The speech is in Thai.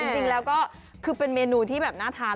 จริงแล้วก็คือเป็นเมนูที่แบบน่าทาน